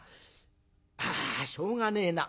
あしょうがねえな。